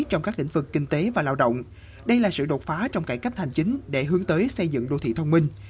trong các lĩnh vực kinh tế và lao động đây là sự đột phá trong cải cách hành chính để hướng tới xây dựng đô thị thông minh